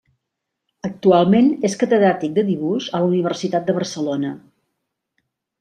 Actualment és catedràtic de dibuix a la Universitat de Barcelona.